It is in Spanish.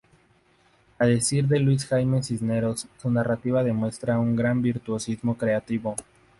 A decir de Luis Jaime Cisneros, su narrativa demuestra un gran virtuosismo creativo.